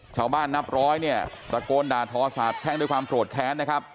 ชาวบ้านนับร้อยเนี่ยตะโกนด่าท้อสาบแช่งด้วยความโปรดแท้นะครับ